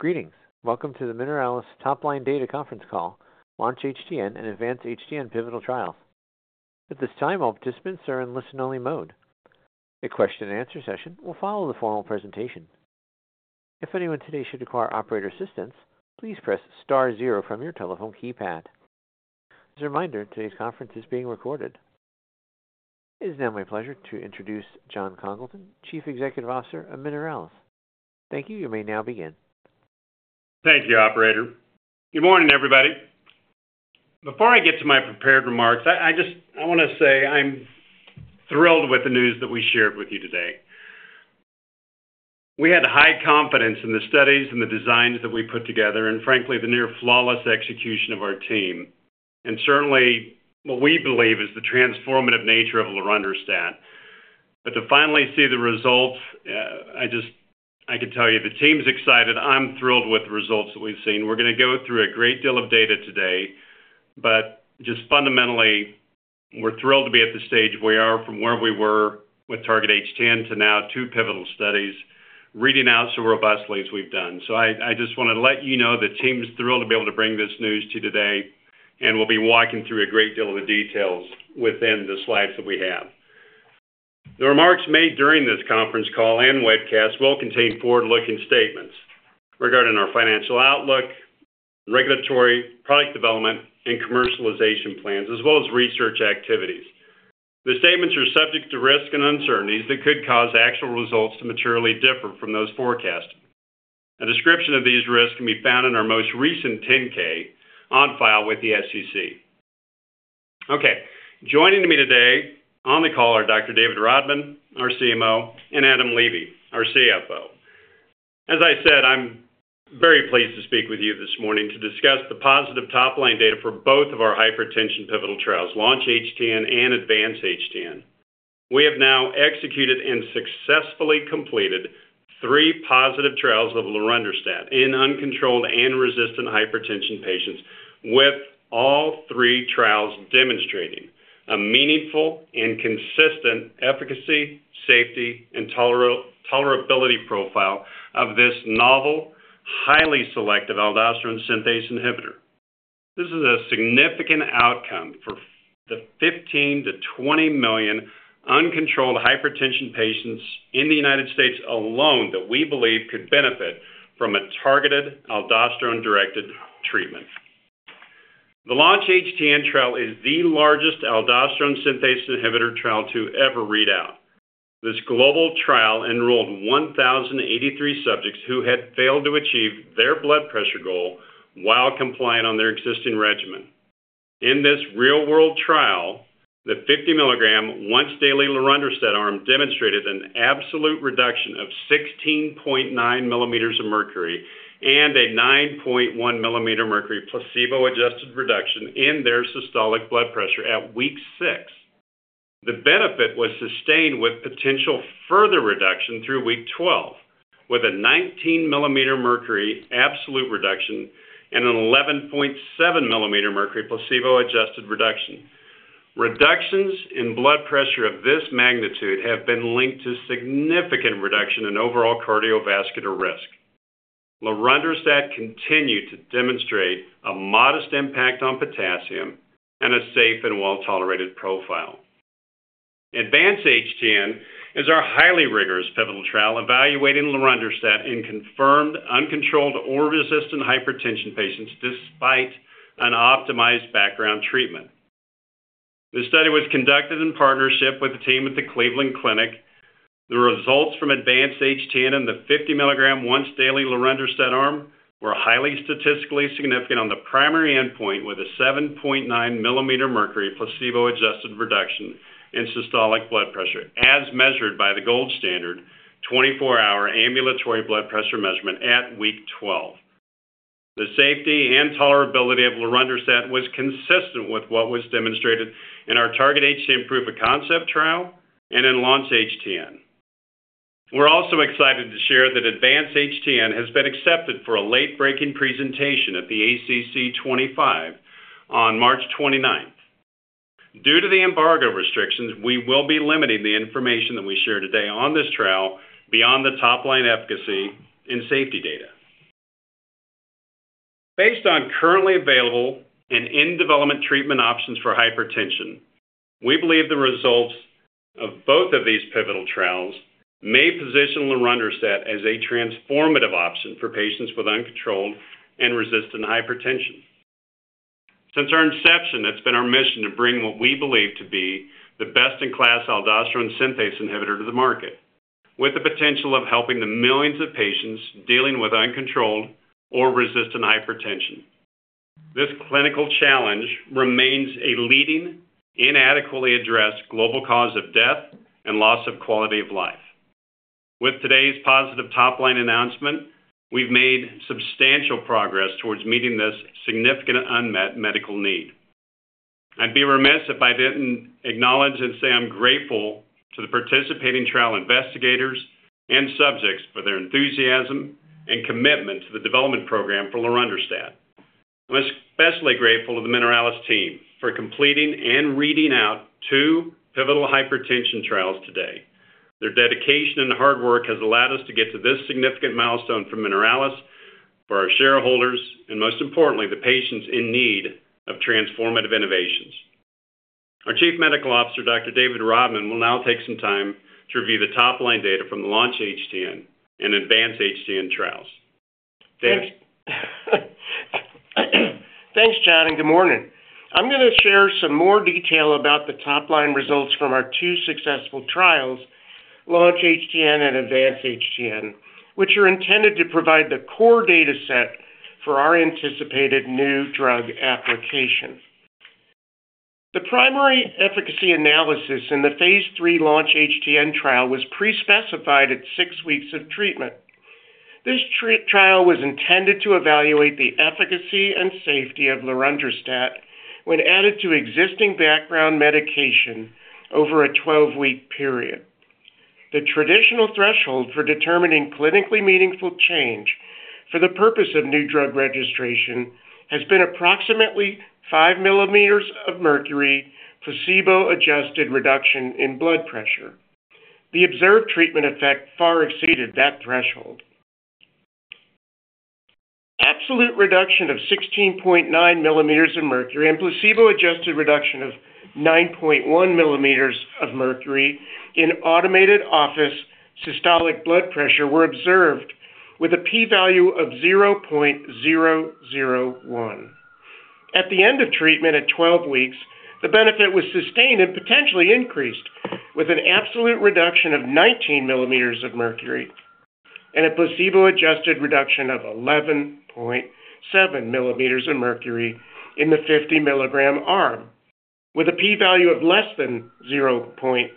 Greetings. Welcome to the Mineralys top-line data conference call, Launch-HTN and Advance-HTN pivotal trials. At this time, all participants are in listen-only mode. A question-and-answer session will follow the formal presentation. If anyone today should require operator assistance, please press star zero from your telephone keypad. As a reminder, today's conference is being recorded. It is now my pleasure to introduce Jon Congleton, Chief Executive Officer of Mineralys. Thank you. You may now begin. Thank you, Operator. Good morning, everybody. Before I get to my prepared remarks, I just want to say I'm thrilled with the news that we shared with you today. We had high confidence in the studies and the designs that we put together, and frankly, the near-flawless execution of our team. Certainly, what we believe is the transformative nature of lorundrostat. To finally see the results, I just—I can tell you the team's excited. I'm thrilled with the results that we've seen. We're going to go through a great deal of data today, but just fundamentally, we're thrilled to be at the stage we are from where we were with Target-HTN to now two pivotal studies reading out so robustly as we've done. I just wanted to let you know the team is thrilled to be able to bring this news to you today, and we'll be walking through a great deal of the details within the slides that we have. The remarks made during this conference call and webcast will contain forward-looking statements regarding our financial outlook, regulatory, product development, and commercialization plans, as well as research activities. The statements are subject to risks and uncertainties that could cause actual results to materially differ from those forecasted. A description of these risks can be found in our most recent 10-K on file with the SEC. Okay. Joining me today on the call are Dr. David Rodman, our CMO, and Adam Levy, our CFO. As I said, I'm very pleased to speak with you this morning to discuss the positive top-line data for both of our hypertension pivotal trials, Launch-HTN and Advance-HTN. We have now executed and successfully completed three positive trials of lorundrostat in uncontrolled and resistant hypertension patients, with all three trials demonstrating a meaningful and consistent efficacy, safety, and tolerability profile of this novel, highly selective aldosterone synthase inhibitor. This is a significant outcome for the 15 million-20 million uncontrolled hypertension patients in the United States alone that we believe could benefit from a targeted aldosterone-directed treatment. The Launch-HTN trial is the largest aldosterone synthase inhibitor trial to ever read out. This global trial enrolled 1,083 subjects who had failed to achieve their blood pressure goal while compliant on their existing regimen. In this real-world trial, the 50-milligram, once-daily lorundrostat arm demonstrated an absolute reduction of 16.9 millimeters of mercury and a 9.1 millimeter mercury placebo-adjusted reduction in their systolic blood pressure at week six. The benefit was sustained with potential further reduction through week 12, with a 19-millimeter mercury absolute reduction and an 11.7-millimeter mercury placebo-adjusted reduction. Reductions in blood pressure of this magnitude have been linked to significant reduction in overall cardiovascular risk. Lorundrostat continued to demonstrate a modest impact on potassium and a safe and well-tolerated profile. Advance-HTN is our highly rigorous pivotal trial evaluating lorundrostat in confirmed, uncontrolled, or resistant hypertension patients despite an optimized background treatment. This study was conducted in partnership with a team at the Cleveland Clinic. The results from Advance-HTN and the 50-milligram, once-daily lorundrostat arm were highly statistically significant on the primary endpoint with a 7.9-millimeter mercury placebo-adjusted reduction in systolic blood pressure, as measured by the gold standard 24-hour ambulatory blood pressure monitoring at week 12. The safety and tolerability of lorundrostat was consistent with what was demonstrated in our Target-HTN proof of concept trial and in Launch-HTN. We're also excited to share that Advance-HTN has been accepted for a late-breaking presentation at the ACC 2025 on March 29th. Due to the embargo restrictions, we will be limiting the information that we share today on this trial beyond the top-line efficacy and safety data. Based on currently available and in-development treatment options for hypertension, we believe the results of both of these pivotal trials may position lorundrostat as a transformative option for patients with uncontrolled and resistant hypertension. Since our inception, it's been our mission to bring what we believe to be the best-in-class aldosterone synthase inhibitor to the market, with the potential of helping the millions of patients dealing with uncontrolled or resistant hypertension. This clinical challenge remains a leading, inadequately addressed global cause of death and loss of quality of life. With today's positive top-line announcement, we've made substantial progress towards meeting this significant unmet medical need. I'd be remiss if I didn't acknowledge and say I'm grateful to the participating trial investigators and subjects for their enthusiasm and commitment to the development program for lorundrostat. I'm especially grateful to the Mineralys team for completing and reading out two pivotal hypertension trials today. Their dedication and hard work has allowed us to get to this significant milestone for Mineralys, for our shareholders, and, most importantly, the patients in need of transformative innovations. Our Chief Medical Officer, Dr. David Rodman, will now take some time to review the top-line data from the Launch-HTN and Advance-HTN trials. Thanks. Thanks, Jon, and good morning. I'm going to share some more detail about the top-line results from our two successful trials, Launch-HTN and Advance-HTN, which are intended to provide the core data set for our anticipated new drug application. The primary efficacy analysis in the phase III Launch-HTN trial was pre-specified at six weeks of treatment. This trial was intended to evaluate the efficacy and safety of lorundrostat when added to existing background medication over a 12-week period. The traditional threshold for determining clinically meaningful change for the purpose of new drug registration has been approximately 5 millimeters of mercury placebo-adjusted reduction in blood pressure. The observed treatment effect far exceeded that threshold. Absolute reduction of 16.9 millimeters of mercury and placebo-adjusted reduction of 9.1 millimeters of mercury in automated office systolic blood pressure were observed with a p-value of 0.001. At the end of treatment at 12 weeks, the benefit was sustained and potentially increased with an absolute reduction of 19 millimeters of mercury and a placebo-adjusted reduction of 11.7 millimeters of mercury in the 50-milligram arm, with a p-value of less than 0.0001.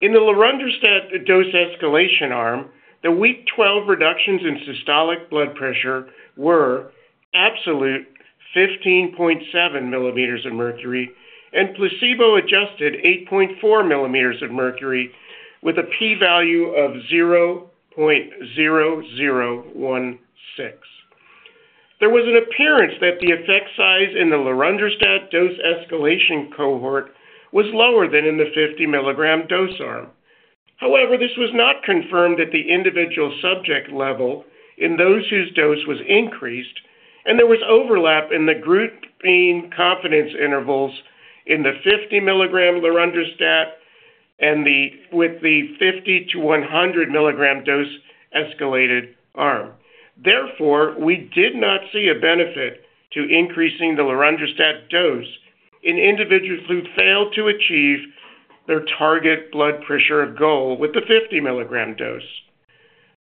In the lorundrostat dose escalation arm, the week 12 reductions in systolic blood pressure were absolute 15.7 millimeters of mercury and placebo-adjusted 8.4 millimeters of mercury with a p-value of 0.0016. There was an appearance that the effect size in the lorundrostat dose escalation cohort was lower than in the 50-milligram dose arm. However, this was not confirmed at the individual subject level in those whose dose was increased, and there was overlap in the grouping confidence intervals in the 50-milligram lorundrostat and with the 50-100 milligram dose escalated arm. Therefore, we did not see a benefit to increasing the lorundrostat dose in individuals who failed to achieve their target blood pressure goal with the 50-milligram dose.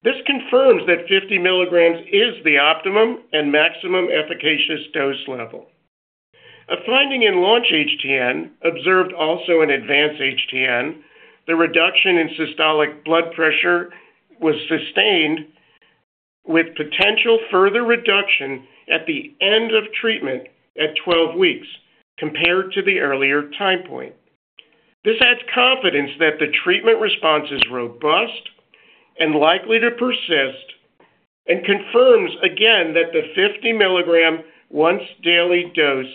This confirms that 50 milligrams is the optimum and maximum efficacious dose level. A finding in Launch-HTN observed also in Advance-HTN, the reduction in systolic blood pressure was sustained with potential further reduction at the end of treatment at 12 weeks compared to the earlier time point. This adds confidence that the treatment response is robust and likely to persist and confirms again that the 50-milligram once-daily dose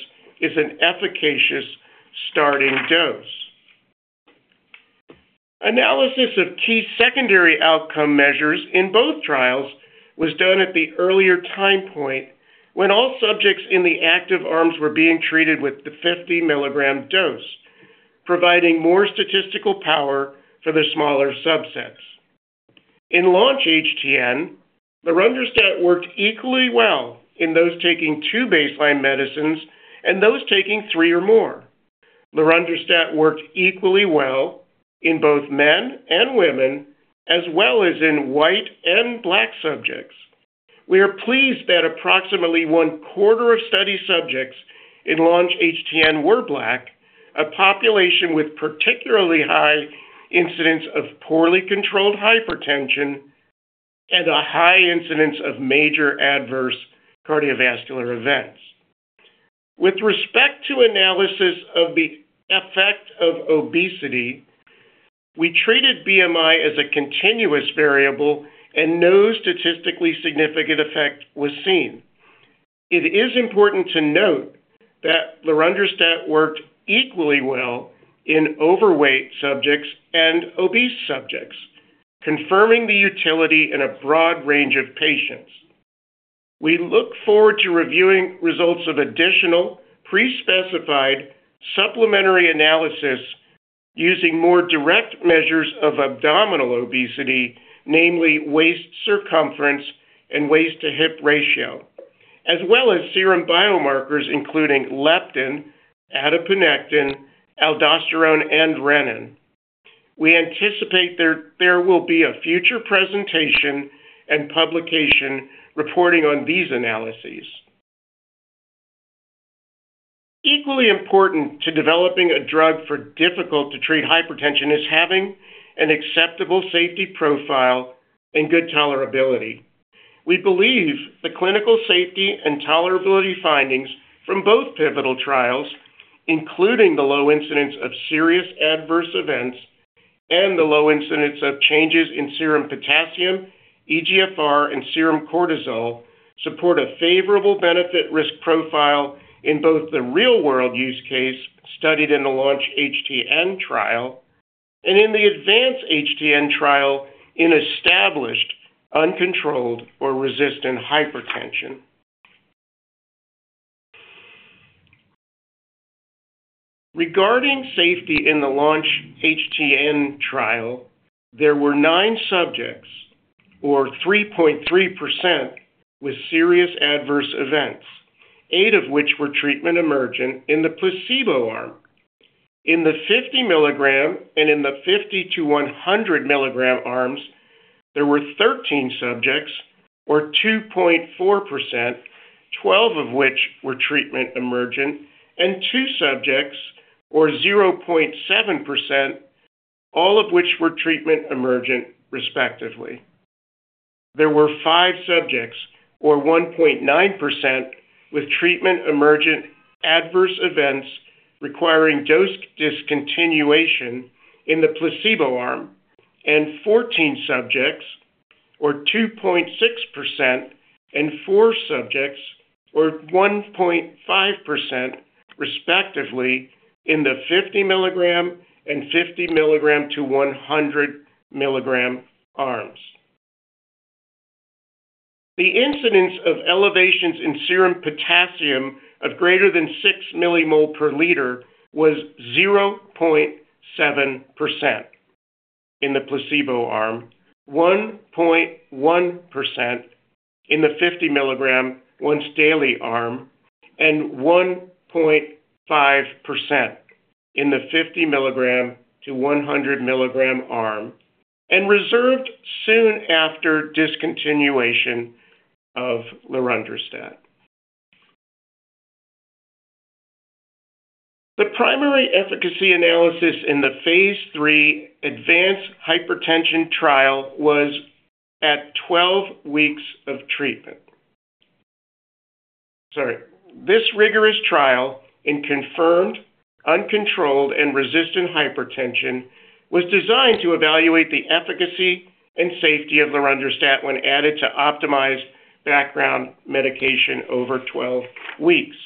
is an efficacious starting dose. Analysis of key secondary outcome measures in both trials was done at the earlier time point when all subjects in the active arms were being treated with the 50-milligram dose, providing more statistical power for the smaller subsets. In Launch-HTN, lorundrostat worked equally well in those taking two baseline medicines and those taking three or more. Lorundrostat worked equally well in both men and women, as well as in white and black subjects. We are pleased that approximately one quarter of study subjects in Launch-HTN were black, a population with particularly high incidence of poorly controlled hypertension and a high incidence of major adverse cardiovascular events. With respect to analysis of the effect of obesity, we treated BMI as a continuous variable, and no statistically significant effect was seen. It is important to note that lorundrostat worked equally well in overweight subjects and obese subjects, confirming the utility in a broad range of patients. We look forward to reviewing results of additional pre-specified supplementary analysis using more direct measures of abdominal obesity, namely waist circumference and waist-to-hip ratio, as well as serum biomarkers including leptin, adiponectin, aldosterone, and renin. We anticipate there will be a future presentation and publication reporting on these analyses. Equally important to developing a drug for difficult-to-treat hypertension is having an acceptable safety profile and good tolerability. We believe the clinical safety and tolerability findings from both pivotal trials, including the low incidence of serious adverse events and the low incidence of changes in serum potassium, eGFR, and serum cortisol, support a favorable benefit-risk profile in both the real-world use case studied in the Launch-HTN trial and in the Advance-HTN trial in established uncontrolled or resistant hypertension. Regarding safety in the Launch-HTN trial, there were nine subjects, or 3.3%, with serious adverse events, eight of which were treatment emergent in the placebo arm. In the 50 milligram and in the 50-100 milligram arms, there were 13 subjects, or 2.4%, 12 of which were treatment emergent, and two subjects, or 0.7%, all of which were treatment emergent, respectively. There were five subjects, or 1.9%, with treatment emergent adverse events requiring dose discontinuation in the placebo arm, and 14 subjects, or 2.6%, and four subjects, or 1.5%, respectively, in the 50 milligram and 50 milligram-100 milligram arms. The incidence of elevations in serum potassium of greater than 6 millimole per liter was 0.7% in the placebo arm, 1.1% in the 50 milligram once-daily arm, and 1.5% in the 50 milligram-100 milligram arm, and resolved soon after discontinuation of lorundrostat. The primary efficacy analysis in the phase III Advance-HTN trial was at 12 weeks of treatment. This rigorous trial in confirmed, uncontrolled, and resistant hypertension was designed to evaluate the efficacy and safety of lorundrostat when added to optimized background medication over 12 weeks.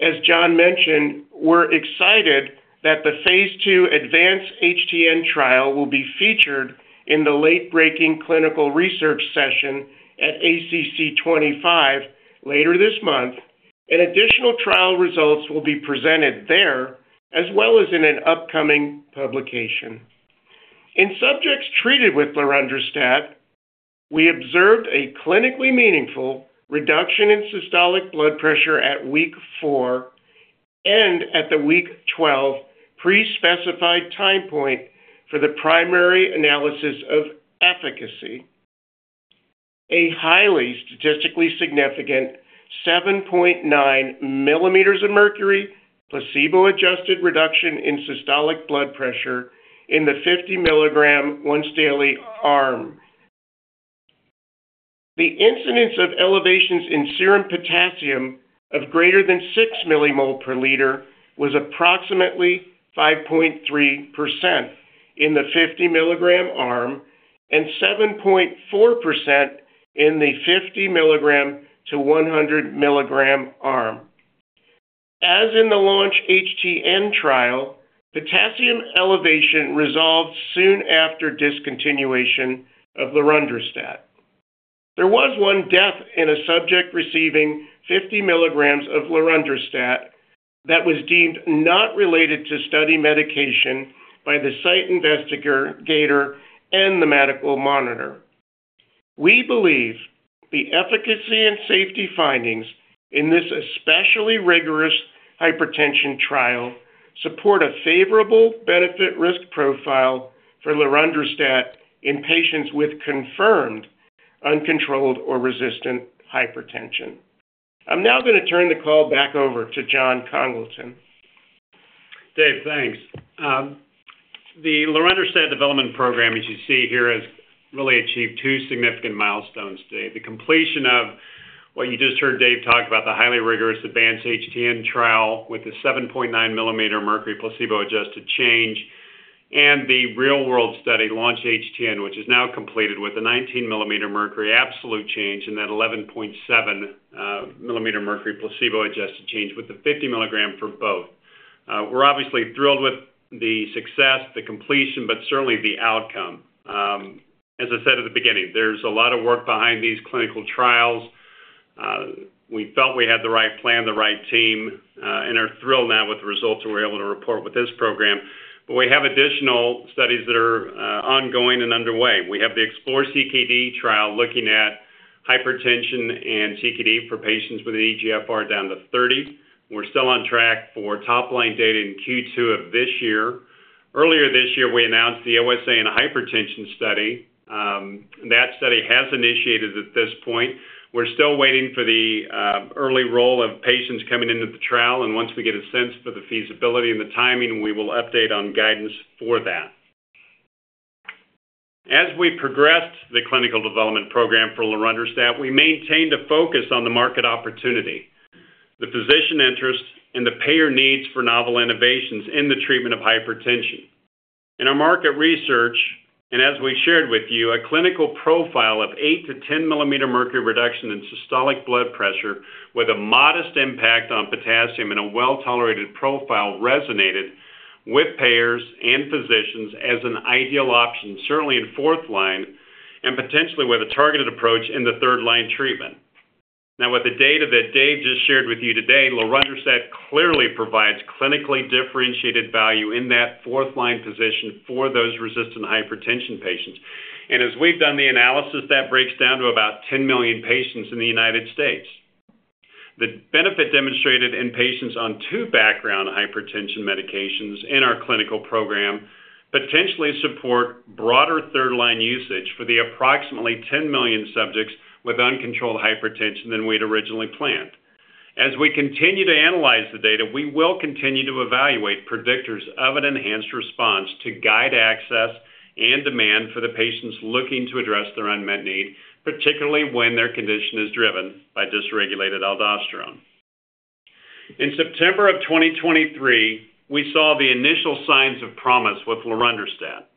As Jon mentioned, we're excited that the phase II Advance-HTN trial will be featured in the late-breaking clinical research session at ACC 2025 later this month, and additional trial results will be presented there, as well as in an upcoming publication. In subjects treated with lorundrostat, we observed a clinically meaningful reduction in systolic blood pressure at week four and at the week 12 pre-specified time point for the primary analysis of efficacy, a highly statistically significant 7.9 millimeters of mercury placebo-adjusted reduction in systolic blood pressure in the 50-milligram once-daily arm. The incidence of elevations in serum potassium of greater than 6 millimole per liter was approximately 5.3% in the 50-milligram arm and 7.4% in the 50-milligram to 100-milligram arm. As in the Launch-HTN trial, potassium elevation resolved soon after discontinuation of lorundrostat. There was one death in a subject receiving 50 milligrams of lorundrostat that was deemed not related to study medication by the site investigator and the medical monitor. We believe the efficacy and safety findings in this especially rigorous hypertension trial support a favorable benefit-risk profile for lorundrostat in patients with confirmed uncontrolled or resistant hypertension. I'm now going to turn the call back over to Jon Congleton. Dave, thanks. The lorundrostat development program, as you see here, has really achieved two significant milestones today: the completion of what you just heard Dave talk about, the highly rigorous Advance-HTN trial with the 7.9 millimeter mercury placebo-adjusted change, and the real-world study, Launch-HTN, which is now completed with a 19 millimeter mercury absolute change and that 11.7 millimeter mercury placebo-adjusted change with the 50 milligram for both. We're obviously thrilled with the success, the completion, but certainly the outcome. As I said at the beginning, there's a lot of work behind these clinical trials. We felt we had the right plan, the right team, and are thrilled now with the results we're able to report with this program. We have additional studies that are ongoing and underway. We have the Explore-CKD trial looking at hypertension and CKD for patients with an eGFR down to 30. We're still on track for top-line data in Q2 of this year. Earlier this year, we announced the OSA in hypertension study. That study has initiated at this point. We're still waiting for the early roll of patients coming into the trial, and once we get a sense for the feasibility and the timing, we will update on guidance for that. As we progressed the clinical development program for lorundrostat, we maintained a focus on the market opportunity, the physician interest, and the payer needs for novel innovations in the treatment of hypertension. In our market research, and as we shared with you, a clinical profile of 8-10 mm mercury reduction in systolic blood pressure with a modest impact on potassium and a well-tolerated profile resonated with payers and physicians as an ideal option, certainly in fourth line and potentially with a targeted approach in the third-line treatment. Now, with the data that Dave just shared with you today, lorundrostat clearly provides clinically differentiated value in that fourth-line position for those resistant hypertension patients. As we've done the analysis, that breaks down to about 10 million patients in the United States. The benefit demonstrated in patients on two background hypertension medications in our clinical program potentially supports broader third-line usage for the approximately 10 million subjects with uncontrolled hypertension than we'd originally planned. As we continue to analyze the data, we will continue to evaluate predictors of an enhanced response to guide access and demand for the patients looking to address their unmet need, particularly when their condition is driven by dysregulated aldosterone. In September of 2023, we saw the initial signs of promise with lorundrostat,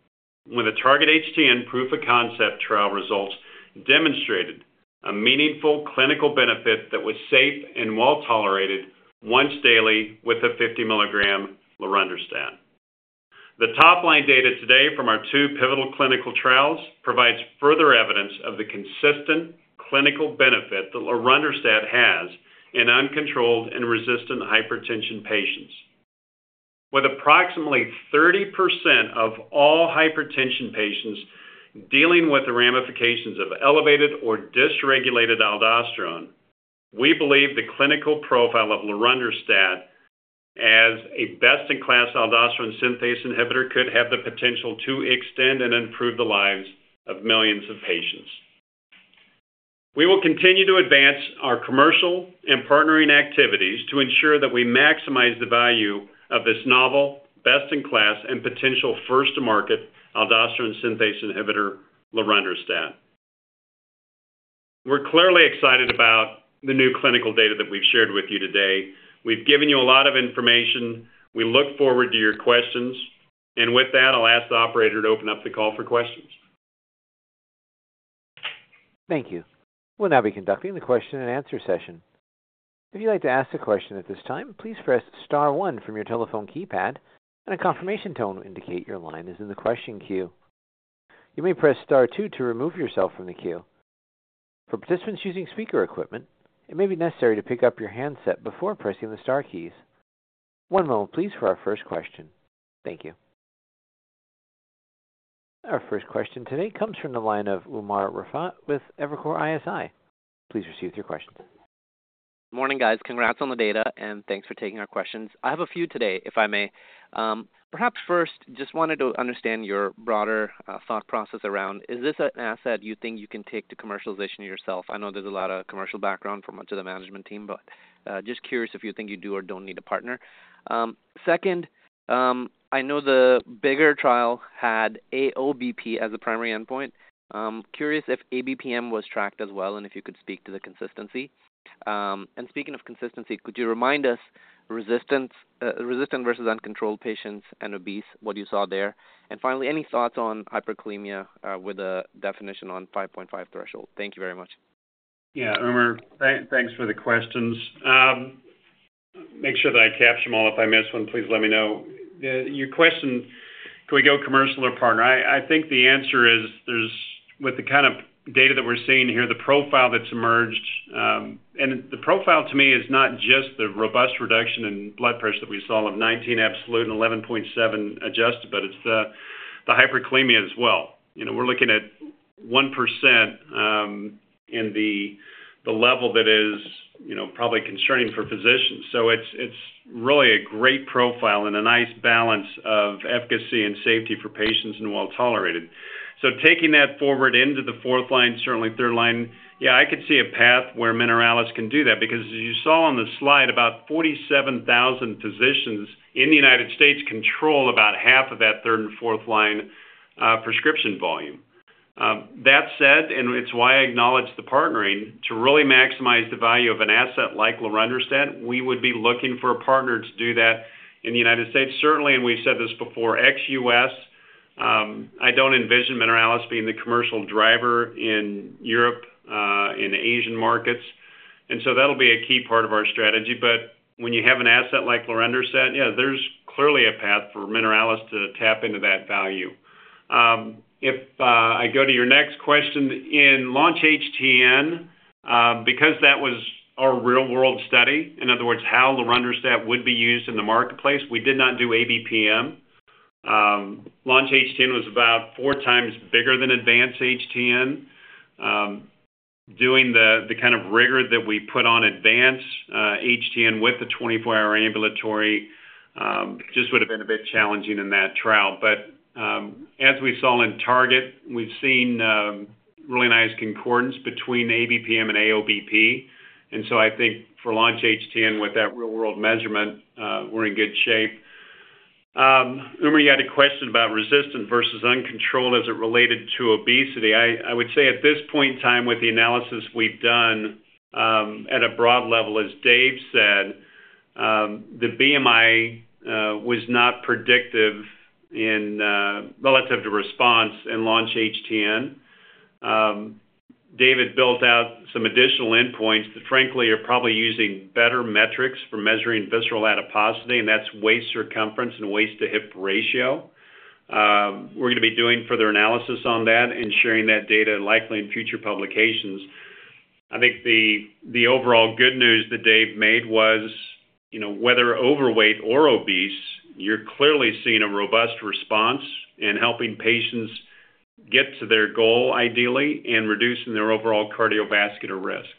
with a Target-HTN proof-of-concept trial results demonstrating a meaningful clinical benefit that was safe and well-tolerated once daily with a 50-milligram lorundrostat. The top-line data today from our two pivotal clinical trials provides further evidence of the consistent clinical benefit that lorundrostat has in uncontrolled and resistant hypertension patients, with approximately 30% of all hypertension patients dealing with ramifications of elevated or dysregulated aldosterone. We believe the clinical profile of lorundrostat as a best-in-class aldosterone synthase inhibitor could have the potential to extend and improve the lives of millions of patients. We will continue to advance our commercial and partnering activities to ensure that we maximize the value of this novel, best-in-class, and potential first-to-market aldosterone synthase inhibitor, lorundrostat. We're clearly excited about the new clinical data that we've shared with you today. We've given you a lot of information. We look forward to your questions. With that, I'll ask the operator to open up the call for questions. Thank you. We'll now be conducting the question-and-answer session. If you'd like to ask a question at this time, please press star one from your telephone keypad, and a confirmation tone will indicate your line is in the question queue. You may press star two to remove yourself from the queue. For participants using speaker equipment, it may be necessary to pick up your handset before pressing the Star keys. One moment, please, for our first question. Thank you. Our first question today comes from the line of Umer Raffat with Evercore ISI. Please proceed with your questions. Morning, guys. Congrats on the data, and thanks for taking our questions. I have a few today, if I may. Perhaps first, just wanted to understand your broader thought process around, is this an asset you think you can take to commercialization yourself? I know there's a lot of commercial background for much of the management team, but just curious if you think you do or don't need a partner. Second, I know the bigger trial had AOBP as a primary endpoint. Curious if ABPM was tracked as well and if you could speak to the consistency. Speaking of consistency, could you remind us resistant versus uncontrolled patients an`d obese, what you saw there? Finally, any thoughts on hyperkalemia with a definition on 5.5 threshold? Thank you very much. Yeah, Umer, thanks for the questions. Make sure that I capture them all. If I miss one, please let me know. Your question, could we go commercial or partner? I think the answer is, with the kind of data that we're seeing here, the profile that's emerged, and the profile to me is not just the robust reduction in blood pressure that we saw of 19 absolute and 11.7 adjusted, but it's the hyperkalemia as well. We're looking at 1% in the level that is probably concerning for physicians. So it's really a great profile and a nice balance of efficacy and safety for patients and well-tolerated. Taking that forward into the fourth line, certainly third line, yeah, I could see a path where Mineralys can do that because, as you saw on the slide, about 47,000 physicians in the United States control about half of that third and fourth-line prescription volume. That said, and it's why I acknowledge the partnering, to really maximize the value of an asset like lorundrostat, we would be looking for a partner to do that in the United States. Certainly, and we've said this before, ex-U.S. I don't envision Mineralys being the commercial driver in Europe and Asian markets. That'll be a key part of our strategy. When you have an asset like lorundrostat, yeah, there's clearly a path for Mineralys to tap into that value. If I go to your next question, in Launch-HTN, because that was our real-world study, in other words, how lorundrostat would be used in the marketplace, we did not do ABPM. Launch-HTN was about four times bigger than Advance-HTN. Doing the kind of rigor that we put on Advance-HTN with the 24-hour ambulatory just would have been a bit challenging in that trial. As we saw in Target, we've seen really nice concordance between ABPM and AOBP. I think for Launch-HTN, with that real-world measurement, we're in good shape. Umer, you had a question about resistant versus uncontrolled as it related to obesity. I would say at this point in time, with the analysis we've done at a broad level, as Dave said, the BMI was not predictive relative to response in Launch-HTN. David built out some additional endpoints that, frankly, are probably using better metrics for measuring visceral adiposity, and that's waist circumference and waist-to-hip ratio. We're going to be doing further analysis on that and sharing that data likely in future publications. I think the overall good news that Dave made was, whether overweight or obese, you're clearly seeing a robust response and helping patients get to their goal, ideally, and reducing their overall cardiovascular risk.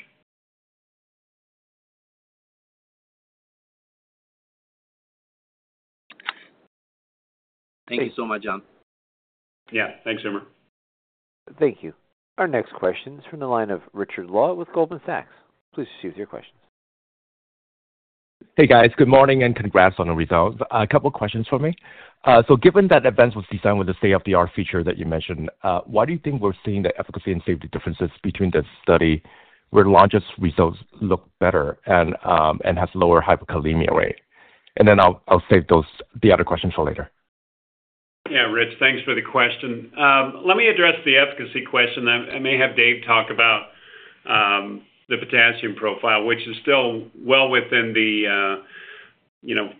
Thank you so much, Jon. Yeah, thanks, Umer. Thank you. Our next question is from the line of Richard Law with Goldman Sachs. Please proceed with your questions. Hey, guys. Good morning and congrats on the results. A couple of questions for me. Given that Advance was designed with the state-of-the-art feature that you mentioned, why do you think we're seeing the efficacy and safety differences between the study where the largest results look better and have lower hyperkalemia rate? I'll save the other question for later. Yeah, Rich, thanks for the question. Let me address the efficacy question. I may have Dave talk about the potassium profile, which is still well within the,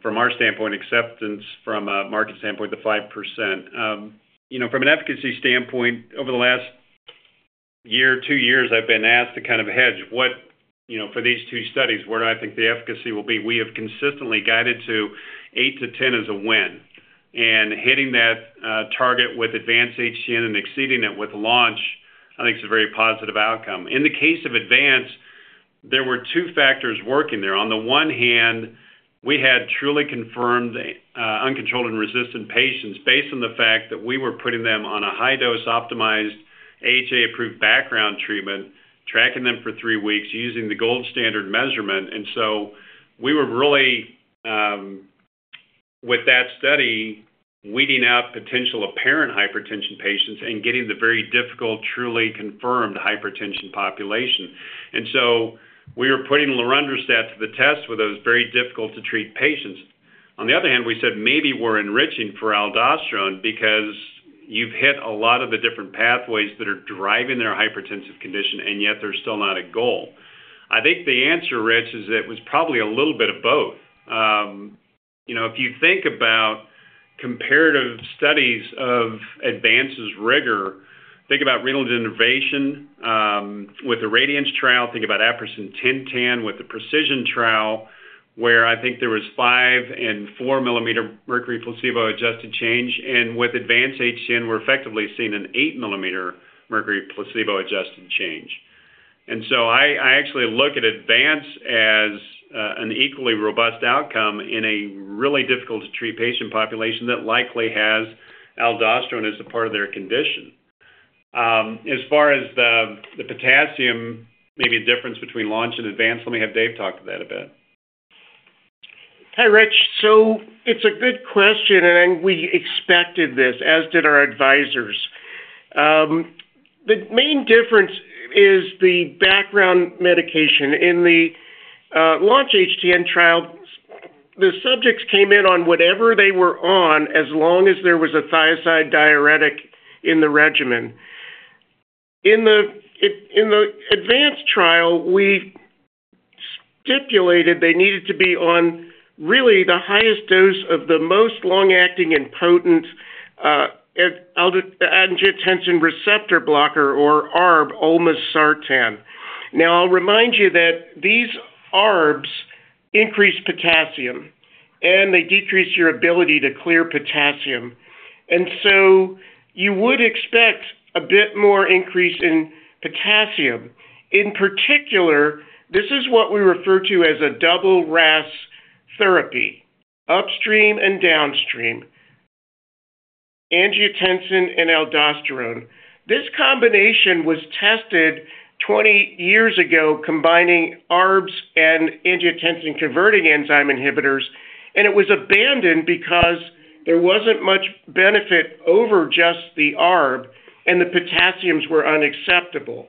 from our standpoint, acceptance from a market standpoint, the 5%. From an efficacy standpoint, over the last year, two years, I've been asked to kind of hedge for these two studies, where do I think the efficacy will be? We have consistently guided to 8%-10% as a win. And hitting that target with Advance-HTN and exceeding it with Launch, I think it's a very positive outcome. In the case of Advance, there were two factors working there. On the one hand, we had truly confirmed uncontrolled and resistant patients based on the fact that we were putting them on a high-dose optimized AHA-approved background treatment, tracking them for three weeks, using the gold standard measurement. We were really, with that study, weeding out potential apparent hypertension patients and getting the very difficult, truly confirmed hypertension population. We were putting lorundrostat to the test with those very difficult-to-treat patients. On the other hand, we said, "Maybe we're enriching for aldosterone because you've hit a lot of the different pathways that are driving their hypertensive condition, and yet they're still not at goal." I think the answer, Rich, is it was probably a little bit of both. If you think about comparative studies of Advance's rigor, think about renal denervation with the RADIANCE trial, think about aprocitentan with the PRECISION trial, where I think there was 5 millimeter and 4 millimeter mercury placebo-adjusted change. With Advance-HTN, we're effectively seeing an 8 millimeter mercury placebo-adjusted change. I actually look at Advance as an equally robust outcome in a really difficult-to-treat patient population that likely has aldosterone as a part of their condition. As far as the potassium, maybe a difference between Launch and Advance, let me have Dave talk to that a bit. Hi, Rich. It's a good question, and we expected this, as did our advisors. The main difference is the background medication. In the Launch-HTN trial, the subjects came in on whatever they were on, as long as there was a thiazide diuretic in the regimen. In the Advance-HTN trial, we stipulated they needed to be on really the highest dose of the most long-acting and potent angiotensin receptor blocker, or ARB, olmesartan. I'll remind you that these ARBs increase potassium, and they decrease your ability to clear potassium. You would expect a bit more increase in potassium. In particular, this is what we refer to as a double RAAS therapy, upstream and downstream, angiotensin and aldosterone. This combination was tested 20 years ago, combining ARBs and angiotensin-converting enzyme inhibitors, and it was abandoned because there wasn't much benefit over just the ARB, and the potassiums were unacceptable.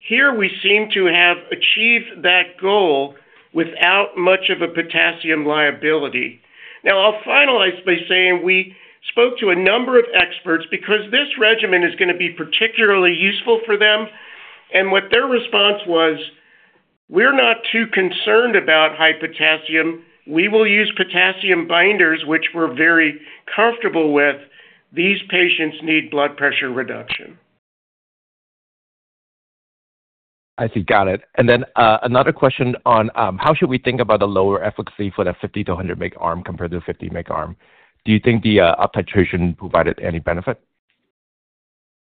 Here, we seem to have achieved that goal without much of a potassium liability. Now, I'll finalize by saying we spoke to a number of experts because this regimen is going to be particularly useful for them. What their response was, "We're not too concerned about high potassium. We will use potassium binders, which we're very comfortable with. These patients need blood pressure reduction. I see. Got it. Another question on how should we think about the lower efficacy for the 50 mg arm-100-mg arm compared to the 50-mg arm? Do you think the up titration provided any benefit?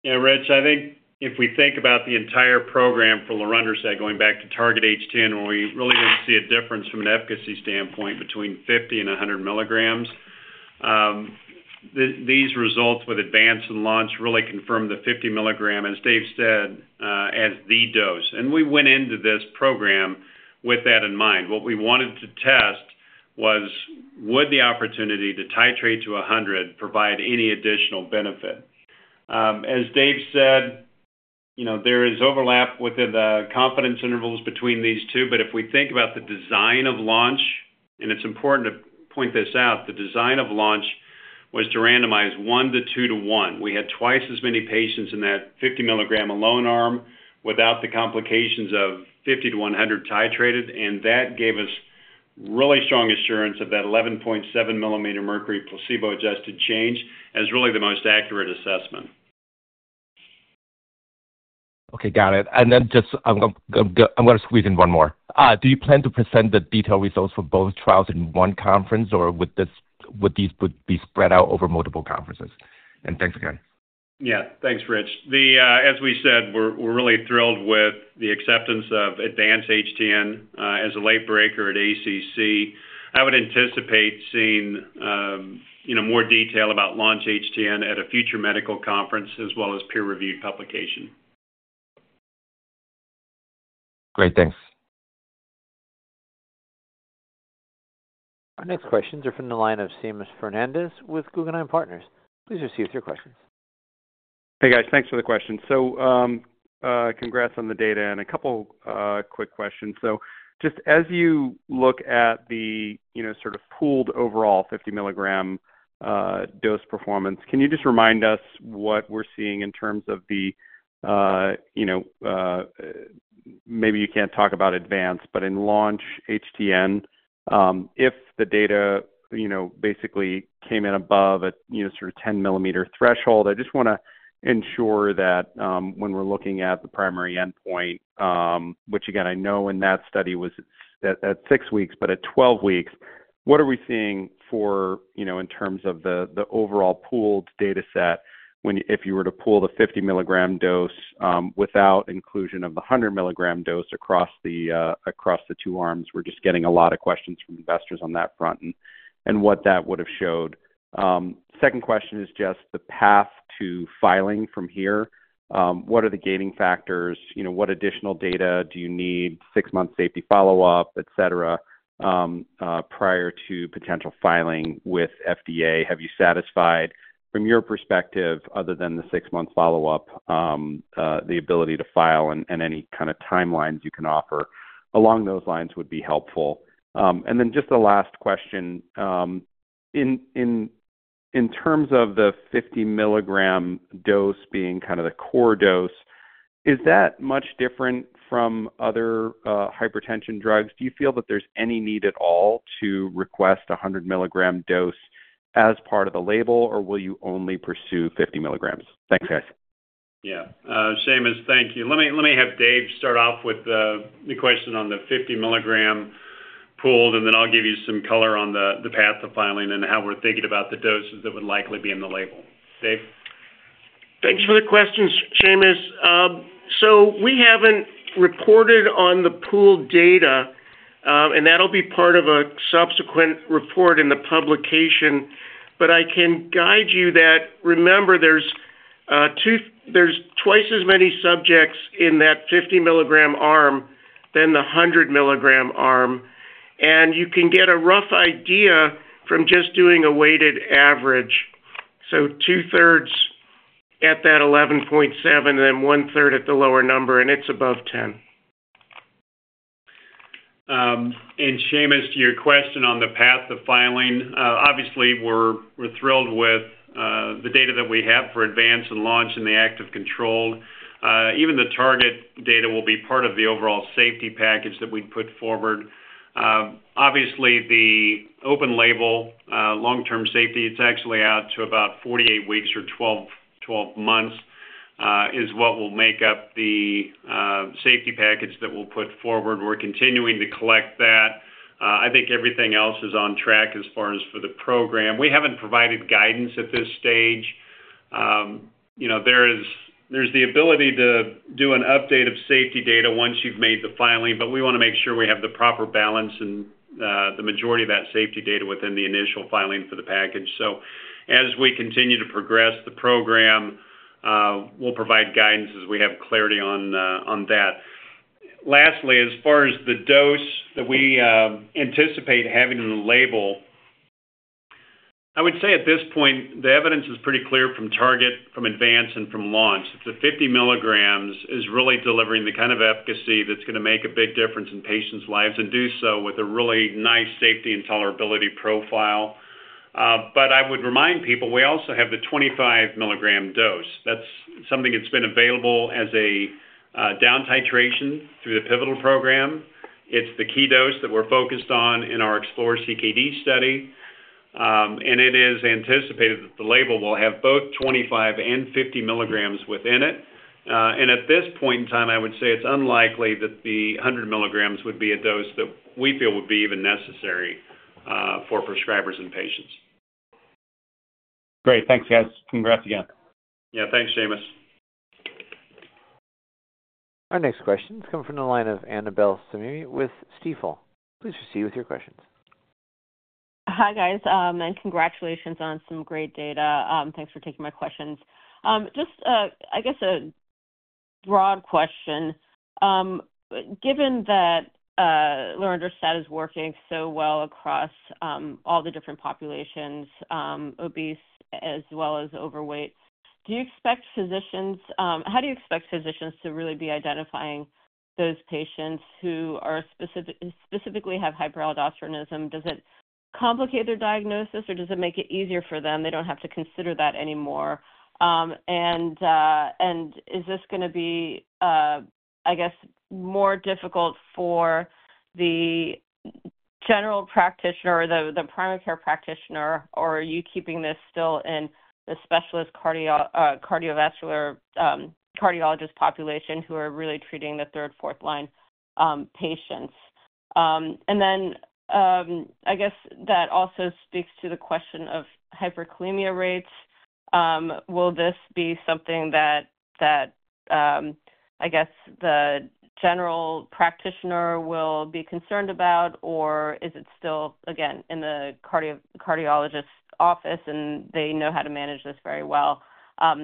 Yeah, Rich, I think if we think about the entire program for lorundrostat, going back to Target-HTN, where we really didn't see a difference from an efficacy standpoint between 50 milligram and 100 milligrams, these results with Advance and Launch really confirmed the 50 milligram, as Dave said, as the dose. We went into this program with that in mind. What we wanted to test was, would the opportunity to titrate to 100 provide any additional benefit? As Dave said, there is overlap within the confidence intervals between these two. If we think about the design of Launch, and it's important to point this out, the design of Launch was to randomize 1 to 2 to 1. We had twice as many patients in that 50 milligram alone arm without the complications of 50 to 100 titrated. That gave us really strong assurance of that 11.7-millimeter mercury placebo-adjusted change as really the most accurate assessment. Okay. Got it. I am going to squeeze in one more. Do you plan to present the detailed results for both trials in one conference, or would these be spread out over multiple conferences? Thanks again. Yeah, thanks, Rich. As we said, we're really thrilled with the acceptance of Advance-HTN as a late breaker at ACC. I would anticipate seeing more detail about Launch-HTN at a future medical conference as well as peer-reviewed publication. Great. Thanks. Our next questions are from the line of Seamus Fernandez with Guggenheim Partners. Please proceed with your questions. Hey, guys. Thanks for the question. Congrats on the data. A couple of quick questions. Just as you look at the sort of pooled overall 50-milligram dose performance, can you just remind us what we're seeing in terms of the maybe you can't talk about Advance, but in Launch-HTN, if the data basically came in above a sort of 10-millimeter threshold, I just want to ensure that when we're looking at the primary endpoint, which, again, I know in that study was at 6 weeks, but at 12 weeks, what are we seeing in terms of the overall pooled dataset if you were to pool the 50-milligram dose without inclusion of the 100-milligram dose across the two arms? We're just getting a lot of questions from investors on that front and what that would have showed. Second question is just the path to filing from here. What are the gating factors? What additional data do you need? Six-month safety follow-up, etc., prior to potential filing with FDA? Have you satisfied, from your perspective, other than the six-month follow-up, the ability to file and any kind of timelines you can offer? Along those lines would be helpful. Just the last question. In terms of the 50-milligram dose being kind of the core dose, is that much different from other hypertension drugs? Do you feel that there's any need at all to request a 100-milligram dose as part of the label, or will you only pursue 50 milligrams? Thanks, guys. Yeah. Same as thank you. Let me have Dave start off with the question on the 50 mg pool, and then I'll give you some color on the path to filing and how we're thinking about the doses that would likely be in the label. Dave? Thanks for the questions, Seamus. We haven't reported on the pooled data, and that'll be part of a subsequent report in the publication. I can guide you that, remember, there's twice as many subjects in that 50-milligram arm than the 100-milligram arm. You can get a rough idea from just doing a weighted average. Two-thirds at that 11.7 and then one-third at the lower number, and it's above 10. To your question on the path to filing, obviously, we're thrilled with the data that we have for Advance and Launch and the active control. Even the Target data will be part of the overall safety package that we'd put forward. Obviously, the open label, long-term safety, it's actually out to about 48 weeks or 12 months is what will make up the safety package that we'll put forward. We're continuing to collect that. I think everything else is on track as far as for the program. We haven't provided guidance at this stage. There's the ability to do an update of safety data once you've made the filing, but we want to make sure we have the proper balance and the majority of that safety data within the initial filing for the package. As we continue to progress the program, we'll provide guidance as we have clarity on that. Lastly, as far as the dose that we anticipate having in the label, I would say at this point, the evidence is pretty clear from Target, from Advance, and from Launch. The 50 milligrams is really delivering the kind of efficacy that's going to make a big difference in patients' lives and do so with a really nice safety and tolerability profile. I would remind people, we also have the 25-milligram dose. That's something that's been available as a down titration through the Pivotal program. It's the key dose that we're focused on in our Explore-CKD study. It is anticipated that the label will have both 25 milligrams and 50 milligrams within it. At this point in time, I would say it's unlikely that the 100 milligrams would be a dose that we feel would be even necessary for prescribers and patients. Great. Thanks, guys. Congrats again. Yeah. Thanks, Seamus. Our next question is coming from the line of Annabel Samimy with Stifel. Please proceed with your questions. Hi, guys. And congratulations on some great data. Thanks for taking my questions. Just, I guess, a broad question. Given that lorundrostat is working so well across all the different populations, obese as well as overweight, do you expect physicians—how do you expect physicians to really be identifying those patients who specifically have hyperaldosteronism? Does it complicate their diagnosis, or does it make it easier for them? They don't have to consider that anymore. Is this going to be, I guess, more difficult for the general practitioner or the primary care practitioner, or are you keeping this still in the specialist cardiovascular cardiologist population who are really treating the third, fourth-line patients? I guess that also speaks to the question of hyperkalemia rates. Will this be something that, I guess, the general practitioner will be concerned about, or is it still, again, in the cardiologist's office, and they know how to manage this very well? I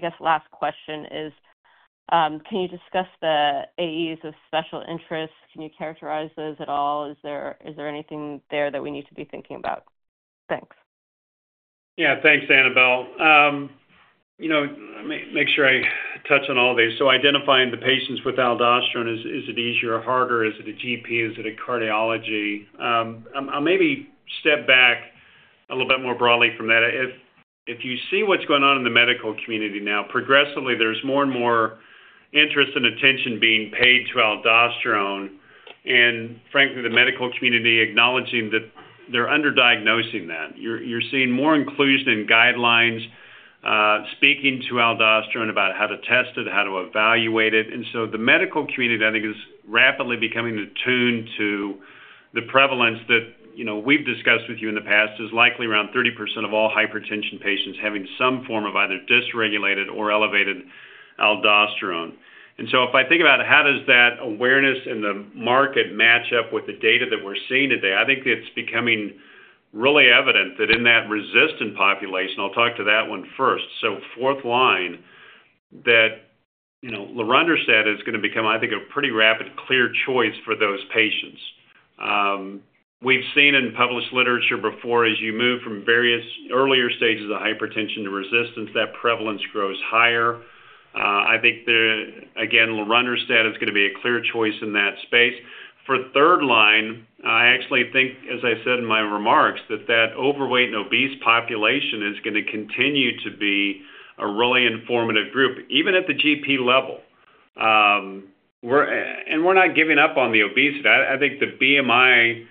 guess, last question is, can you discuss the AEs of special interest? Can you characterize those at all? Is there anything there that we need to be thinking about? Thanks. Yeah. Thanks, Annabel. Let me make sure I touch on all these. Identifying the patients with aldosterone, is it easier or harder? Is it a GP? Is it a cardiology? I'll maybe step back a little bit more broadly from that. If you see what's going on in the medical community now, progressively, there's more and more interest and attention being paid to aldosterone. And frankly, the medical community acknowledging that they're underdiagnosing that. You're seeing more inclusion in guidelines, speaking to aldosterone about how to test it, how to evaluate it. The medical community, I think, is rapidly becoming attuned to the prevalence that we've discussed with you in the past is likely around 30% of all hypertension patients having some form of either dysregulated or elevated aldosterone. If I think about how does that awareness in the market match up with the data that we're seeing today, I think it's becoming really evident that in that resistant population, I'll talk to that one first. Fourth line, that lorundrostat is going to become, I think, a pretty rapid clear choice for those patients. We've seen in published literature before, as you move from various earlier stages of hypertension to resistance, that prevalence grows higher. I think, again, lorundrostat is going to be a clear choice in that space. For third line, I actually think, as I said in my remarks, that that overweight and obese population is going to continue to be a really informative group, even at the GP level. We're not giving up on the obesity. I think the BMI,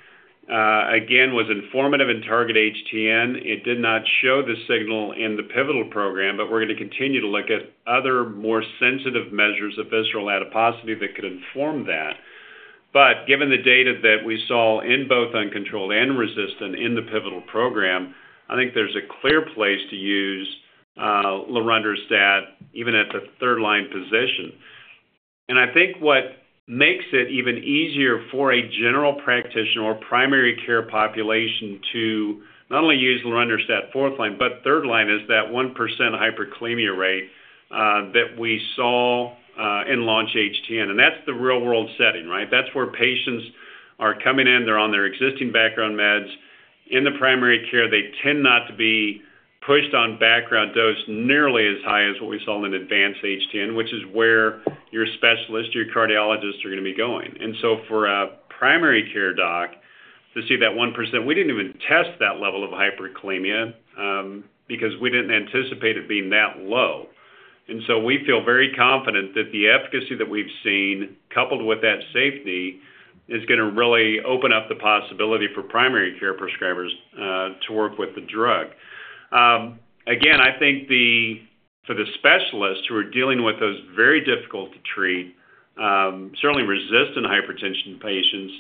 again, was informative in Target-HTN. It did not show the signal in the pivotal program, but we're going to continue to look at other more sensitive measures of visceral adiposity that could inform that. Given the data that we saw in both uncontrolled and resistant in the Pivotal program, I think there's a clear place to use lorundrostat even at the third-line position. I think what makes it even easier for a general practitioner or primary care population to not only use lorundrostat fourth line, but third line is that 1% hyperkalemia rate that we saw in Launch-HTN. That's the real-world setting, right? That's where patients are coming in. They're on their existing background meds. In the primary care, they tend not to be pushed on background dose nearly as high as what we saw in Advance-HTN, which is where your specialist, your cardiologist are going to be going. For a primary care doc to see that 1%, we did not even test that level of hyperkalemia because we did not anticipate it being that low. We feel very confident that the efficacy that we have seen, coupled with that safety, is going to really open up the possibility for primary care prescribers to work with the drug. Again, I think for the specialists who are dealing with those very difficult to treat, certainly resistant hypertension patients,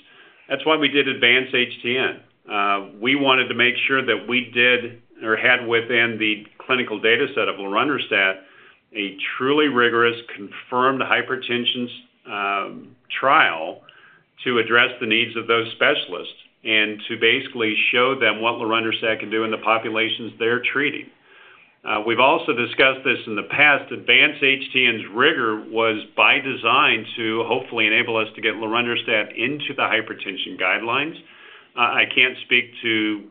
that is why we did Advance-HTN. We wanted to make sure that we did or had within the clinical dataset of lorundrostat a truly rigorous confirmed hypertension trial to address the needs of those specialists and to basically show them what lorundrostat can do in the populations they're treating. We've also discussed this in the past. Advance-HTN's rigor was by design to hopefully enable us to get lorundrostat into the hypertension guidelines. I can't speak to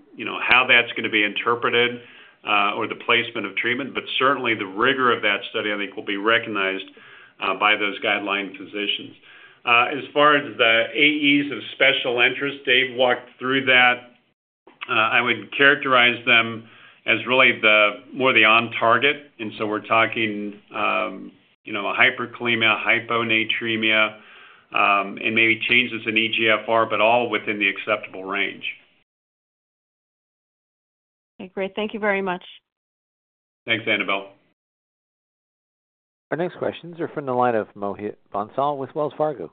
how that's going to be interpreted or the placement of treatment, but certainly the rigor of that study, I think, will be recognized by those guideline physicians. As far as the AEs of special interest, Dave walked through that. I would characterize them as really more the on-target. We are talking hyperkalemia, hyponatremia, and maybe changes in eGFR, but all within the acceptable range. Okay. Great. Thank you very much. Thanks, Annabel. Our next questions are from the line of Mohit Bansal with Wells Fargo.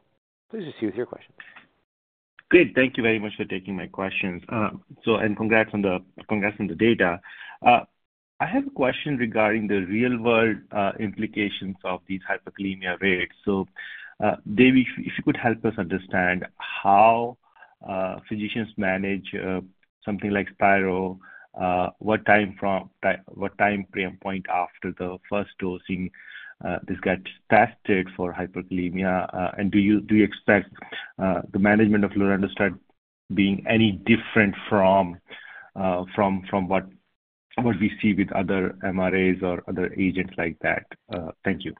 Please proceed with your questions. Good. Thank you very much for taking my questions. Thank you and congrats on the data. I have a question regarding the real-world implications of these hyperkalemia rates. Dave, if you could help us understand how physicians manage something like Spiro, what time frame point after the first dosing this got tested for hyperkalemia? Do you expect the management of lorundrostat being any different from what we see with other MRAs or other agents like that? Thank you.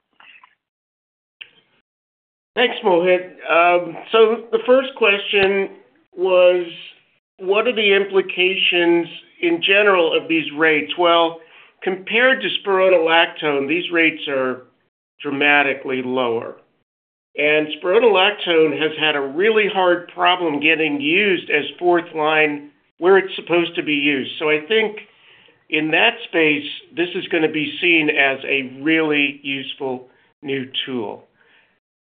Thanks, Mohit. The first question was, what are the implications in general of these rates? Compared to spironolactone, these rates are dramatically lower. spironolactone has had a really hard problem getting used as fourth line where it's supposed to be used. I think in that space, this is going to be seen as a really useful new tool.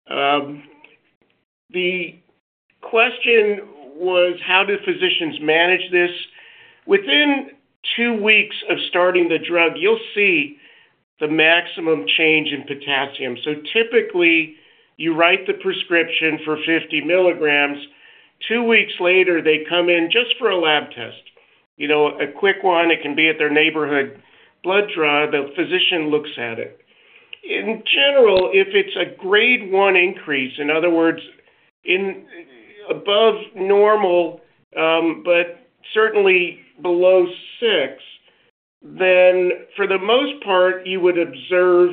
The question was, how do physicians manage this? Within two weeks of starting the drug, you'll see the maximum change in potassium. Typically, you write the prescription for 50 milligrams. Two weeks later, they come in just for a lab test, a quick one. It can be at their neighborhood blood draw. The physician looks at it. In general, if it's a grade one increase, in other words, above normal but certainly below six, then for the most part, you would observe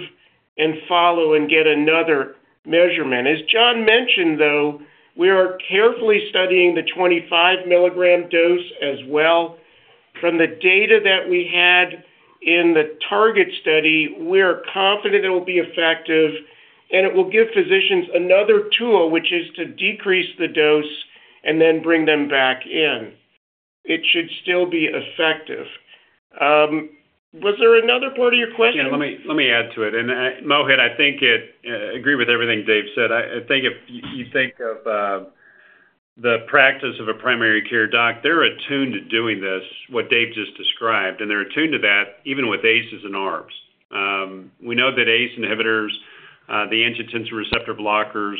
and follow and get another measurement. As Jon mentioned, though, we are carefully studying the 25-milligram dose as well. From the data that we had in the Target study, we are confident it will be effective, and it will give physicians another tool, which is to decrease the dose and then bring them back in. It should still be effective. Was there another part of your question? Yeah. Let me add to it. Mohit, I think I agree with everything Dave said. I think if you think of the practice of a primary care doc, they're attuned to doing this, what Dave just described, and they're attuned to that even with ACEs and ARBs. We know that ACE inhibitors, the angiotensin receptor blockers,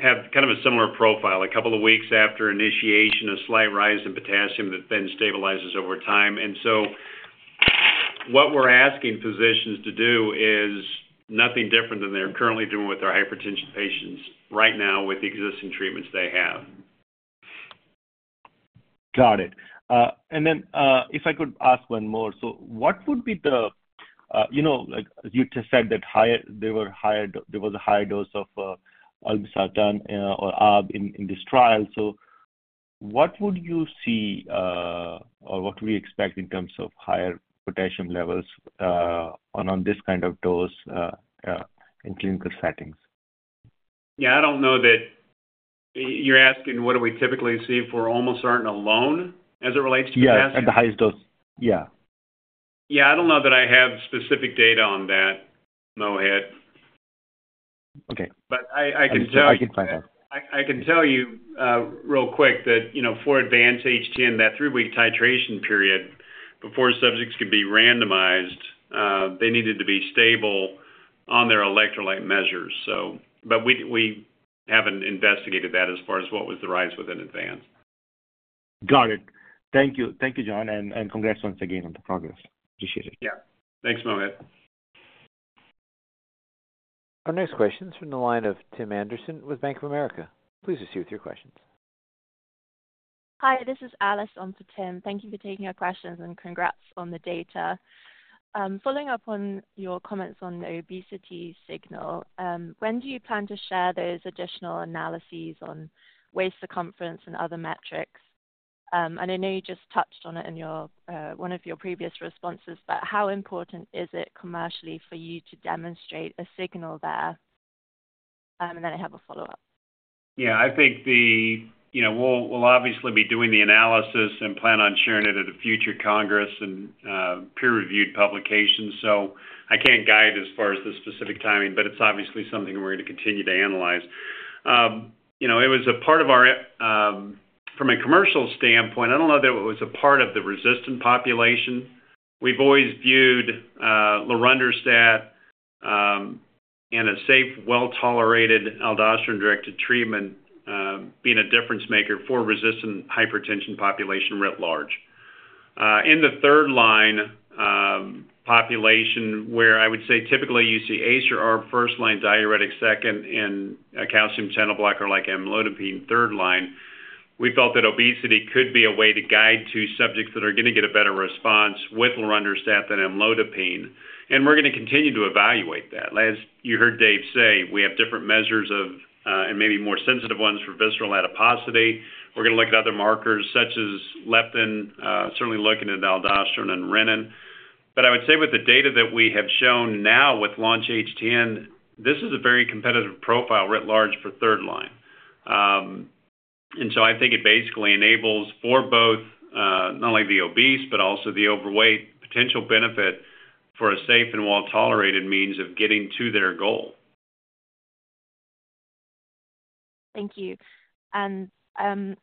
have kind of a similar profile. A couple of weeks after initiation, a slight rise in potassium that then stabilizes over time. What we're asking physicians to do is nothing different than they're currently doing with their hypertension patients right now with the existing treatments they have. Got it. If I could ask one more, what would be the—you just said that there was a higher dose of olmesartan or ARB in this trial. What would you see or what would you expect in terms of higher potassium levels on this kind of dose in clinical settings? Yeah. I don't know that you're asking what do we typically see if we're almost starting alone as it relates to potassium? Yeah. At the highest dose. Yeah. Yeah. I don't know that I have specific data on that, Mohit. Okay. I can tell. I can find that. I can tell you real quick that for Advance-HTN, that three-week titration period before subjects could be randomized, they needed to be stable on their electrolyte measures. We haven't investigated that as far as what was the rise within Advance. Got it. Thank you. Thank you, Jon. And congrats once again on the progress. Appreciate it. Yeah. Thanks, Mohit. Our next question is from the line of Tim Anderson with Bank of America. Please proceed with your questions. Hi. This is Alice on for Tim. Thank you for taking our questions and congrats on the data. Following up on your comments on the obesity signal, when do you plan to share those additional analyses on waist circumference and other metrics? I know you just touched on it in one of your previous responses, but how important is it commercially for you to demonstrate a signal there? I have a follow-up. Yeah. I think we'll obviously be doing the analysis and plan on sharing it at a future Congress and peer-reviewed publication. I can't guide as far as the specific timing, but it's obviously something we're going to continue to analyze. It was a part of our—from a commercial standpoint, I don't know that it was a part of the resistant population. We've always viewed lorundrostat and a safe, well-tolerated aldosterone-directed treatment being a difference maker for resistant hypertension population writ large. In the third-line population, where I would say typically you see ACE or ARB first line, diuretic second, and a calcium channel blocker like amlodipine third line, we felt that obesity could be a way to guide to subjects that are going to get a better response with lorundrostat than amlodipine. We're going to continue to evaluate that. As you heard Dave say, we have different measures and maybe more sensitive ones for visceral adiposity. We're going to look at other markers such as leptin, certainly looking at aldosterone and renin. I would say with the data that we have shown now with Launch-HTN, this is a very competitive profile writ large for third line. I think it basically enables for both not only the obese but also the overweight potential benefit for a safe and well-tolerated means of getting to their goal. Thank you. On the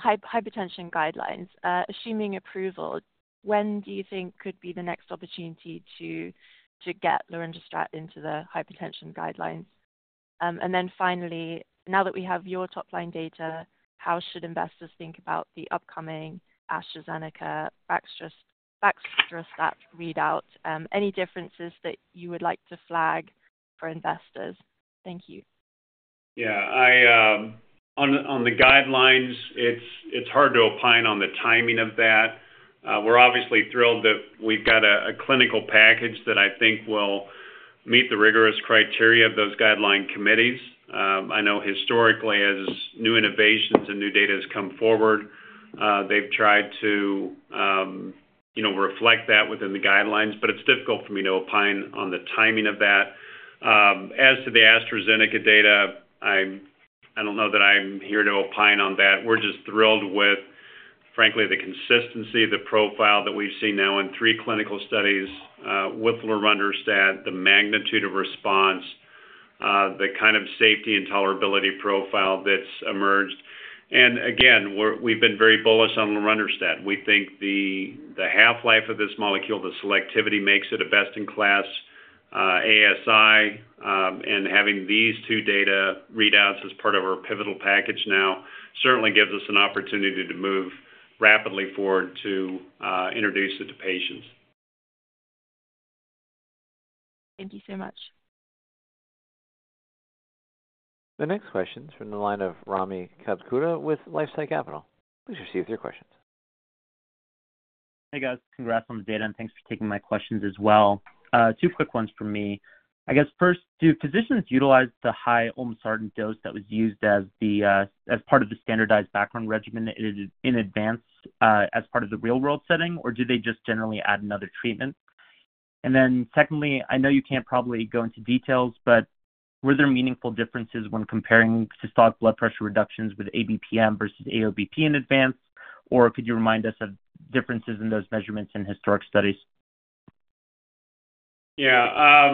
hypertension guidelines, assuming approval, when do you think could be the next opportunity to get lorundrostat into the hypertension guidelines? Finally, now that we have your top-line data, how should investors think about the upcoming AstraZeneca/baxdrostat readout? Any differences that you would like to flag for investors? Thank you. Yeah. On the guidelines, it's hard to opine on the timing of that. We're obviously thrilled that we've got a clinical package that I think will meet the rigorous criteria of those guideline committees. I know historically, as new innovations and new data has come forward, they've tried to reflect that within the guidelines, but it's difficult for me to opine on the timing of that. As to the AstraZeneca data, I don't know that I'm here to opine on that. We're just thrilled with, frankly, the consistency of the profile that we've seen now in three clinical studies with lorundrostat, the magnitude of response, the kind of safety and tolerability profile that's emerged. Again, we've been very bullish on lorundrostat. We think the half-life of this molecule, the selectivity makes it a best-in-class ASI. Having these two data readouts as part of our pivotal package now certainly gives us an opportunity to move rapidly forward to introduce it to patients. Thank you so much. The next question is from the line of Rami Katkhuda with LifeSci Capital. Please proceed with your questions. Hey, guys. Congrats on the data, and thanks for taking my questions as well. Two quick ones for me. I guess first, do physicians utilize the high olmesartan dose that was used as part of the standardized background regimen in Advance as part of the real-world setting, or do they just generally add another treatment? Secondly, I know you can't probably go into details, but were there meaningful differences when comparing systolic blood pressure reductions with ABPM versus AOBP in Advance? Could you remind us of differences in those measurements in historic studies? Yeah.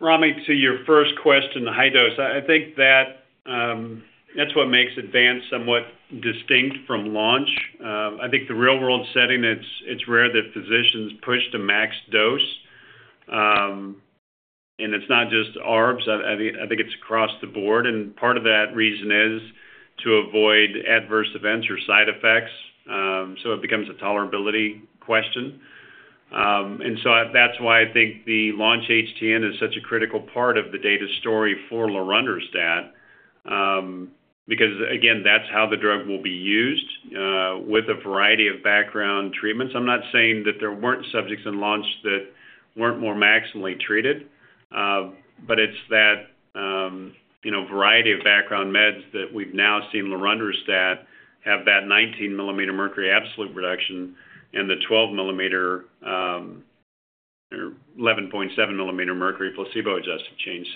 Rami, to your first question, the high dose, I think that's what makes Advance somewhat distinct from Launch. I think the real-world setting, it's rare that physicians push to max dose. It's not just ARBs. I think it's across the board. Part of that reason is to avoid adverse events or side effects. It becomes a tolerability question. That's why I think the Launch-HTN is such a critical part of the data story for lorundrostat because, again, that's how the drug will be used with a variety of background treatments. I'm not saying that there weren't subjects in Launch that weren't more maximally treated, but it's that variety of background meds that we've now seen lorundrostat have that 19 millimeter mercury absolute reduction and the 12 millimeter or 11.7 millimeter mercury placebo-adjusted change.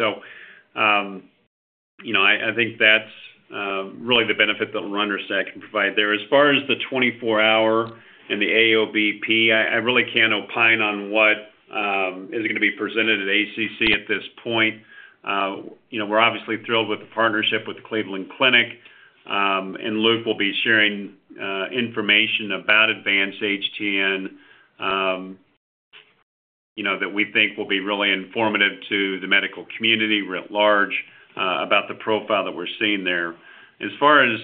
I think that's really the benefit that lorundrostat can provide there. As far as the 24-hour and the AOBP, I really can't opine on what is going to be presented at ACC at this point. We're obviously thrilled with the partnership with the Cleveland Clinic, and Luke will be sharing information about Advance-HTN that we think will be really informative to the medical community writ large about the profile that we're seeing there. As far as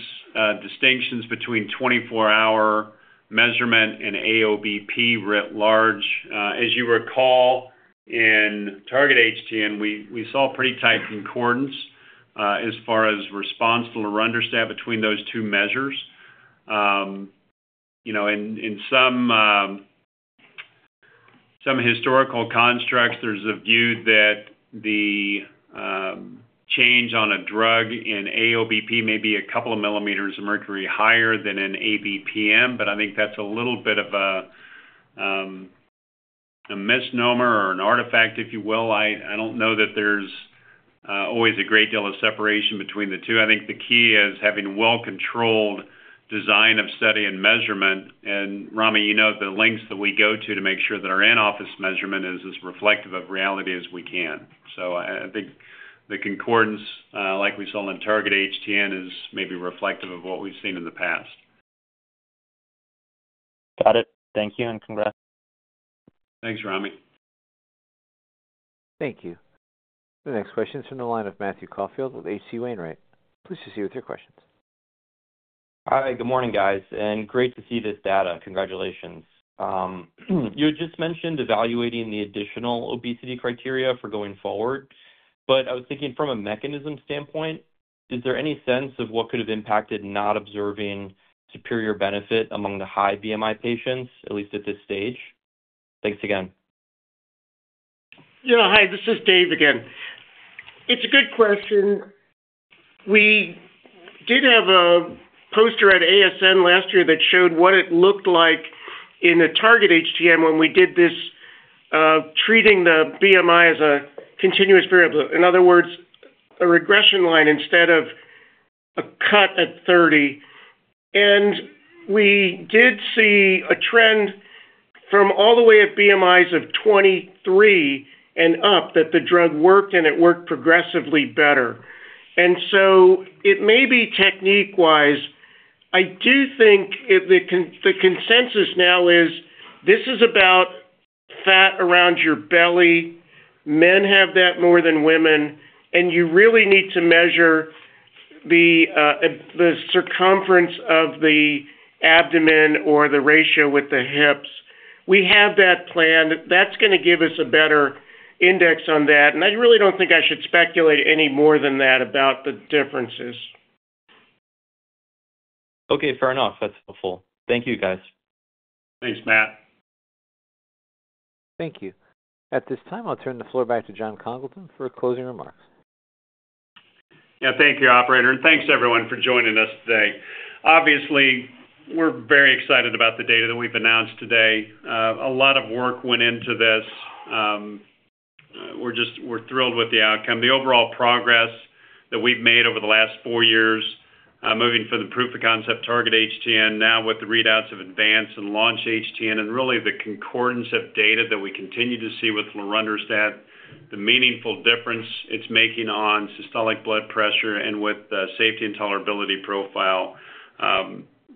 distinctions between 24-hour measurement and AOBP writ large, as you recall, in Target-HTN, we saw pretty tight concordance as far as response to lorundrostat between those two measures. In some historical constructs, there's a view that the change on a drug in AOBP may be a couple of millimeters of mercury higher than in ABPM, but I think that's a little bit of a misnomer or an artifact, if you will. I don't know that there's always a great deal of separation between the two. I think the key is having well-controlled design of study and measurement. Rami, you know the lengths that we go to to make sure that our in-office measurement is as reflective of reality as we can. I think the concordance like we saw in Target-HTN is maybe reflective of what we've seen in the past. Got it. Thank you and congrats. Thanks, Rami. Thank you. The next question is from the line of Matthew Caufield with H.C. Wainwright. Please proceed with your questions. Hi. Good morning, guys. Great to see this data. Congratulations. You had just mentioned evaluating the additional obesity criteria for going forward. I was thinking from a mechanism standpoint, is there any sense of what could have impacted not observing superior benefit among the high BMI patients, at least at this stage? Thanks again. Yeah. Hi. This is Dave again. It's a good question. We did have a poster at ASN last year that showed what it looked like in the Target-HTN when we did this treating the BMI as a continuous variable. In other words, a regression line instead of a cut at 30. We did see a trend from all the way at BMIs of 23 and up that the drug worked, and it worked progressively better. It may be technique-wise. I do think the consensus now is this is about fat around your belly. Men have that more than women, and you really need to measure the circumference of the abdomen or the ratio with the hips. We have that plan. That's going to give us a better index on that. I really don't think I should speculate any more than that about the differences. Okay. Fair enough. That's helpful. Thank you, guys. Thanks, Matt. Thank you. At this time, I'll turn the floor back to Jon Congleton for closing remarks. Yeah. Thank you, operator. Thank you, everyone, for joining us today. Obviously, we're very excited about the data that we've announced today. A lot of work went into this. We're thrilled with the outcome. The overall progress that we've made over the last four years moving from the proof of concept Target-HTN, now with the readouts of Advance-HTN and Launch-HTN, and really the concordance of data that we continue to see with lorundrostat, the meaningful difference it's making on systolic blood pressure and with the safety and tolerability profile,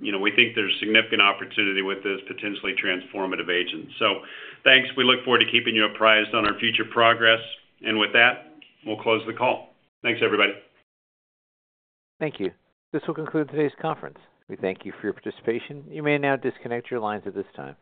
we think there's significant opportunity with this potentially transformative agent. Thank you. We look forward to keeping you apprised on our future progress. With that, we'll close the call. Thank you, everybody. Thank you. This will conclude today's conference. We thank you for your participation. You may now disconnect your lines at this time.